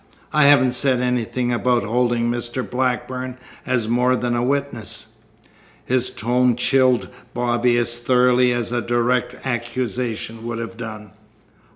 I haven't said anything about holding Mr. Blackburn as more than a witness." His tone chilled Bobby as thoroughly as a direct accusation would have done.